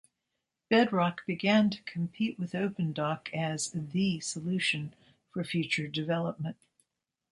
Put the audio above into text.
Bedrock began to compete with OpenDoc as "the" solution for future development.